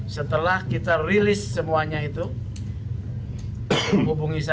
setelah kita rilis semuanya itu hubungi saya